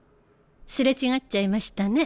すれ違っちゃいましたね。